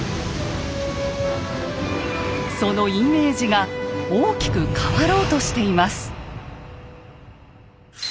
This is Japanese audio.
そのイメージが大きく変わろうとしています。